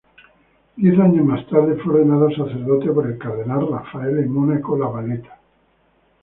Diez años más tarde fue ordenado sacerdote por el cardenal Raffaele Monaco La Valletta.